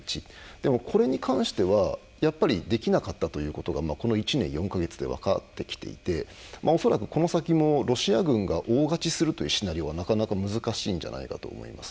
でも、これに関してはやっぱりできなかったということがこの１年４か月で分かってきていて恐らく、この先もロシア軍が大勝ちするというシナリオはなかなか難しいんじゃないかと思います。